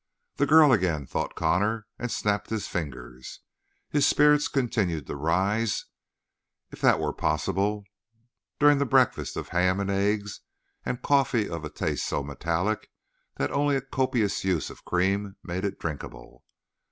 "That girl again," thought Connor, and snapped his fingers. His spirits continued to rise, if that were possible, during the breakfast of ham and eggs, and coffee of a taste so metallic that only a copious use of cream made it drinkable.